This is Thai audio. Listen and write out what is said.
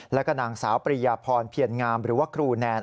แล้วก็นางสาวปริยาพรเพียรงามหรือว่าครูแนน